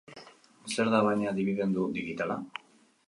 Zer da, baina, dibidendu digitala?